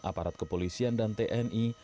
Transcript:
aparat kepolisian dan tni